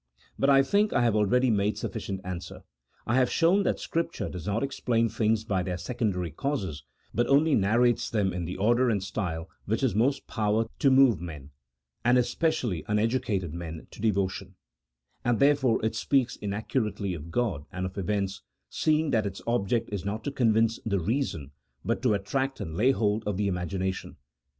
But I think I have already made sufficient answer: I have shown that Scripture does not explain things by their secondary causes, but only narrates them in the order and the style which has most power to move men, and espe cially uneducated men, to devotion ; and therefore it speaks inaccurately of God and of events, seeing that its object is not to convince the reason, but to attract and lay hold of the imagination.